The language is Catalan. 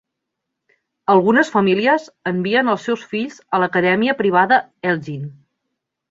Algunes famílies envien els seus fills a l'Acadèmia privada Elgin.